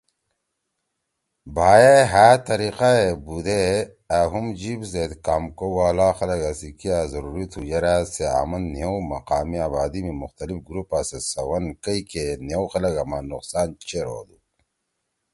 بھا ئے ہأ طریقہ ئے بُودے أ ہُم جیِب زید کام کؤ والا خلگا سی کیا ضروری تُھو یرأ سے آمن نھیؤ مقامی آبادی می مختلف گروپا سیت سوَن کئیکہ نھیؤ خلگا ما نقصان چیر ہودُو۔